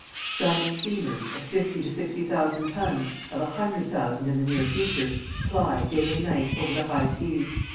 Giant steamers, of fifty to sixty thousand tons of a hundred thousand in the near future ply, day and night, over the high seas.